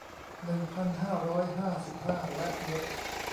หนึ่งพันห้าร้อยห้าสิบห้า และเว็บ